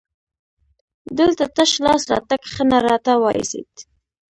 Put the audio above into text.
دلته تش لاس راتګ ښه نه راته وایسېد.